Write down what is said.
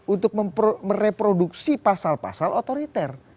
untuk mereproduksi pasal pasal otoriter